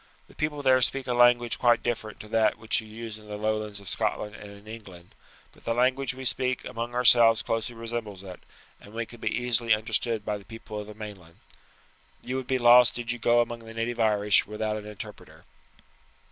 The people there speak a language quite different to that which you use in the lowlands of Scotland and in England, but the language we speak among ourselves closely resembles it, and we can be easily understood by the people of the mainland. You would be lost did you go among the native Irish without an interpreter."